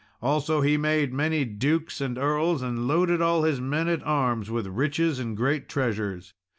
Also he made many dukes and earls, and loaded all his men at arms with riches and great treasures.